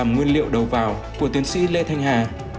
nguyên liệu đầu vào của tiến sĩ lê thanh hà